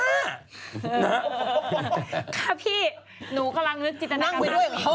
ครับพี่หนูกำลังนึกจิตนาการ